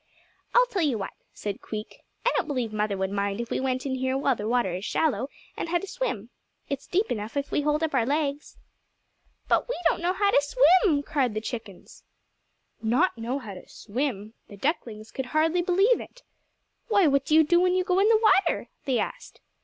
"I'll tell you what," said Queek; "I don't believe mother would mind if we went in here where the water is shallow, and had a swim. It's deep enough if we hold up our legs." [Illustration: On and on they went, leaping and snatching] "But we don't know how to swim," cried the chickens. Not know how to swim! The ducklings could hardly believe it. "Why, what do you do when you go in the water?" they asked.